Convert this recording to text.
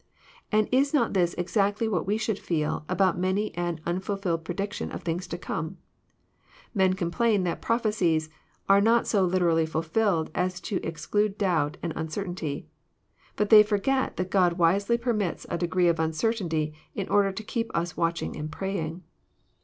And is not this exactly what we should feel about many an anfal filled prediction of things to come ? Men complain that proph ecies are not so literally fulfilled as to exclude doubt and un certainty. But they forget that God wisely permits a degree of uncertainty in order to keep us watching and praying.